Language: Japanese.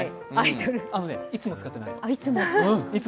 あのね、いつも使ってないの。